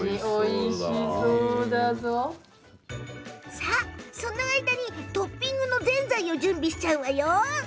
さあ、その間にトッピングのぜんざいを準備しちゃうわよ。